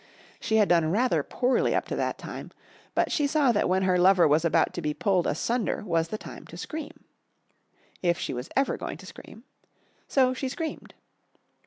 She had done rather poorly up to that time, but she saw that when her lover was about to be pulled asunder was the time to scream, if she was ever going to scream, so she screamed.